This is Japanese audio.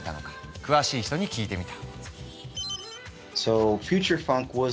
詳しい人に聞いてみた。